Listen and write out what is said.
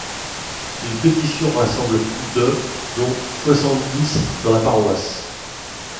Une pétition rassemble plus de dont soixante-dix dans la paroisse.